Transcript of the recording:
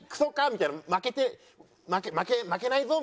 みたいな負けて負けないぞ！